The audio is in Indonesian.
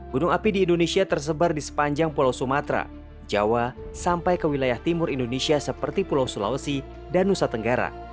gunung api di indonesia tersebar di sepanjang pulau sumatera jawa sampai ke wilayah timur indonesia seperti pulau sulawesi dan nusa tenggara